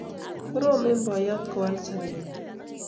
korom eng' poyot kowal sobennyi